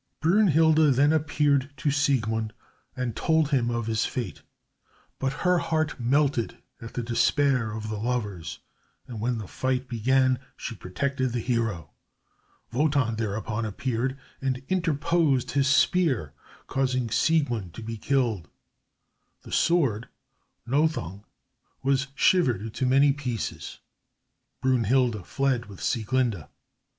Brünnhilde then appeared to Siegmund and told him of his fate, but her heart melted at the despair of the lovers, and when the fight began she protected the hero. Wotan thereupon appeared and interposed his spear, causing Siegmund to be killed. The sword, "Nothung," was shivered into many pieces. Brünnhilde fled with Sieglinde.